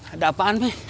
ada apaan be